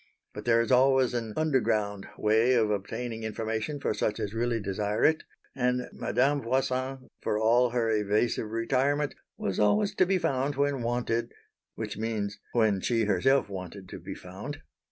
But there is always an "underground" way of obtaining information for such as really desire it; and Madame Voisin, for all her evasive retirement, was always to be found when wanted which means when she herself wanted to be found.